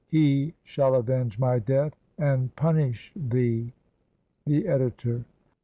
He shall avenge my death, and punish thee," The Editor.